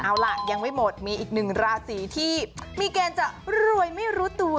เอาล่ะยังไม่หมดมีอีกหนึ่งราศีที่มีเกณฑ์จะรวยไม่รู้ตัว